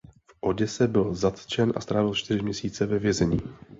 V Oděse byl zatčen a strávil čtyři měsíce ve vězení.